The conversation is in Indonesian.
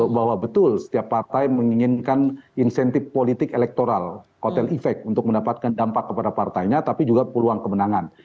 bahwa betul setiap partai menginginkan insentif politik elektoral kotel efek untuk mendapatkan dampak kepada partainya tapi juga peluang kemenangan